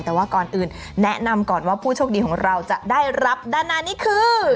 แต่ว่าก่อนอื่นแนะนำก่อนว่าผู้โชคดีของเราจะได้รับด้านหน้านี้คือ